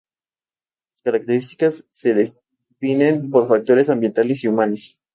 Las características se definen por factores ambientales y humanos.